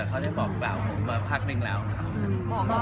เขาก็บอกว่าเขาเริ่มเดตแล้วนะ